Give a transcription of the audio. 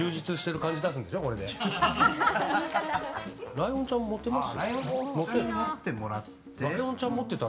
ライオンちゃん持てます？